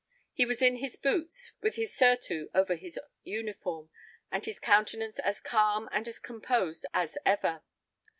He was in his boots, with his surtout over his uniform, and his countenance as calm and as composed as ever.